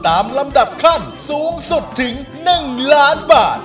ลำดับขั้นสูงสุดถึง๑ล้านบาท